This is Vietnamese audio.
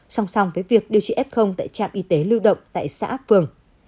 song song với việc điều trị f tại trạm y tế lưu động tại xã phường